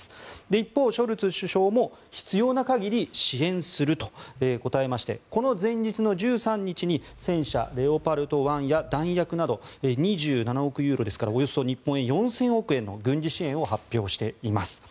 一方、ショルツ首相も必要な限り支援すると答えましてこの前日の１３日に戦車レオパルト１や弾薬など２７億ユーロですからおよそ日本円で４０００億円の軍事支援を発表しています。